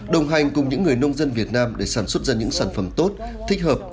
đồng hành cùng những người nông dân việt nam để sản xuất ra những sản phẩm tốt thích hợp